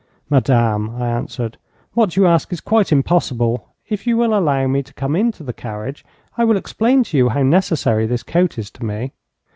'Madame,' I answered, 'what you ask is quite impossible. If you will allow me to come into the carriage, I will explain to you how necessary this coat is to me.'